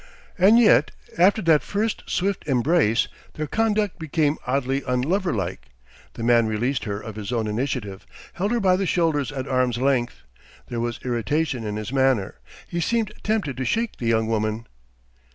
And yet, after that first, swift embrace, their conduct became oddly unloverlike. The man released her of his own initiative, held her by the shoulders at arm's length. There was irritation in his manner. He seemed tempted to shake the young woman.